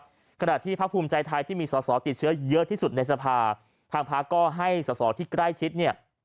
ขณะที่ภาคภูมิใจไทยที่มีสอสอติดเชื้อเยอะที่สุดในสภาทางพักก็ให้สอสอที่ใกล้ชิดเนี่ย